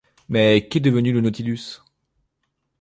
Mais qu’est devenu le Nautilus ?